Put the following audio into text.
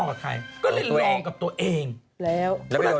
พี่ปุ้ยลูกโตแล้ว